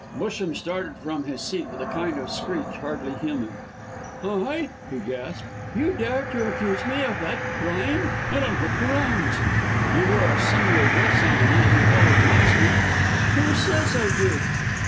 Busham started from his seat with a kind of screech hardly human. "I?" he gasped. "You dare to accuse me of that crime! And on what grounds?" "You wore a similar dress on the night you followed Moxton." "Who says I did?"